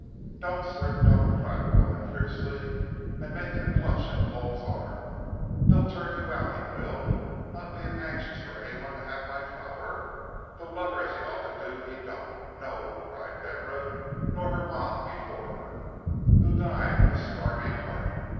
"Don't, sir don't!" cried the woman, fiercely, and making a clutch at Paul's arm; "he'll turn you out, he will, not being anxious fur anyone to have my flower, though love her as he oughter do, he don't, no," cried Deborah, "nor her ma before her, who died with a starvin' 'eart.